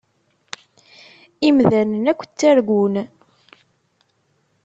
Imdanen akk ttargun.